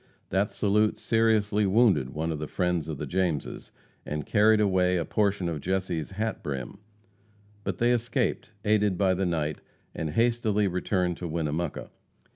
That salute seriously wounded one of the friends of the Jameses, and carried away a portion of Jesse's hat brim. But they escaped, aided by the night, and hastily returned to Winnemucca.